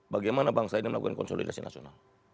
bagaimana bangsa ini melakukan konsolidasi nasional